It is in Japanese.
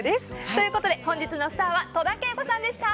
ということで本日のスターは戸田恵子さんでした。